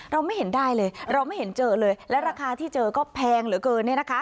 เราไม่เห็นได้เลยเราไม่เห็นเจอเลยและราคาที่เจอก็แพงเหลือเกินเนี่ยนะคะ